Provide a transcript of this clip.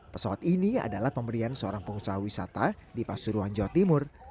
pesawat ini adalah pemberian seorang pengusaha wisata di pasuruan jawa timur